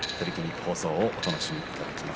放送をお楽しみいただきます。